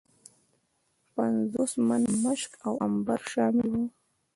پنځوس منه مشک او عنبر شامل وه.